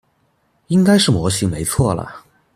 應該是模型沒錯啦